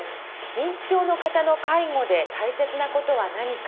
認知症の方の介護で大切な事は何か。